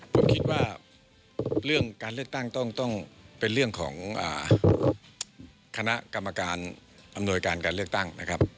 ผมคิดว่าเรื่องการเลือกตั้งต้องเป็นเรื่องของคณะกรรมการอำนวยการการเลือกตั้งนะครับ